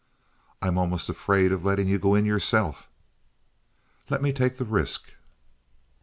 "I'm almost afraid of letting you go in yourself." "Let me take the risk."